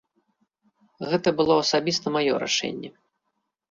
Гэта было асабіста маё рашэнне.